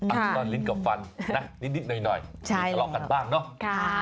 นอนลิ้นกับฟันนิดหน่อยถลอกกันบ้างเนอะ